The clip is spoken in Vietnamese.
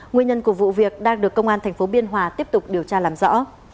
nguyên nhân của vụ việc đang được công an tp biên hòa tiếp tục điều tra làm rõ